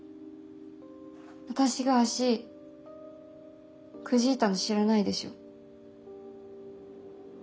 私が足くじいたの知らないでしょ？